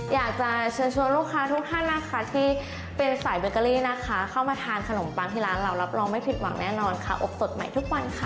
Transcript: อยากจะเชิญชวนลูกค้าทุกท่านนะคะที่เป็นสายเบเกอรี่นะคะเข้ามาทานขนมปังที่ร้านเรารับรองไม่ผิดหวังแน่นอนค่ะอบสดใหม่ทุกวันค่ะ